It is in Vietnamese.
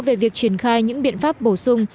về việc triển khai những biện pháp bổ sung